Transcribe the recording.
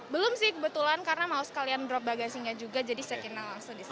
belum sih kebetulan karena mau sekalian drop bagasinya juga jadi check in langsung disini